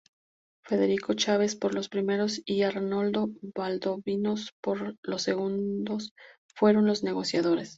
Federico Chaves por los primeros y Arnaldo Valdovinos por los segundos, fueron los negociadores.